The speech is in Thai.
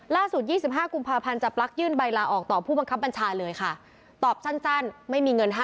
ล่าสุด๒๕กุมภาพันธ์จาบลักษณ์ยื่นใบลาออกต่อผู้บังคับบัญชาเลยค่ะ